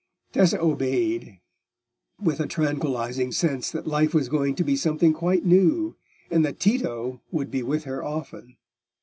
Tessa obeyed with a tranquillising sense that life was going to be something quite new, and that Tito would be with her often.